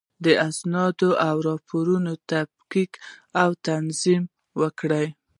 د اسنادو او راپورونو تفکیک او تنظیم وکړئ.